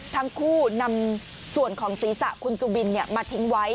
ทั้งคู่นำส่วนของศีรษะคุณสุบินมาทิ้งไว้